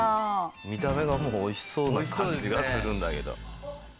見た目がもう美味しそうな感じがするんだけど。